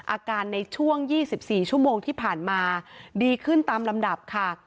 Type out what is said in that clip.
อาการในช่วง๒๔ชั่วโมงที่ผ่านมาดีขึ้นตามลำดับค่ะ